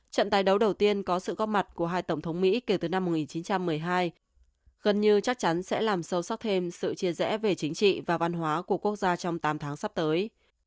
trận tài đấu đầu tiên có sự góp mặt của hai tổng thống mỹ kể từ năm một nghìn chín trăm một mươi hai gần như chắc chắn sẽ làm sâu sắc thêm sự chia rẽ về chính trị và văn hóa của quốc gia trong tám tháng sắp tới